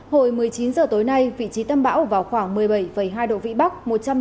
hồi một mươi chín h tối nay vị trí tâm bão vào khoảng một mươi bảy hai độ vĩ bắc